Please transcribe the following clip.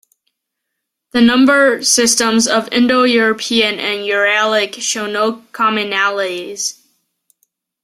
The number systems of Indo-European and Uralic show no commonalities.